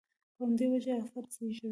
په همدې وجه افت زېږوي.